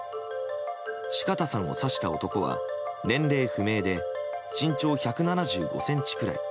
四方さんを刺した男は年齢不明で身長１７５ｃｍくらい。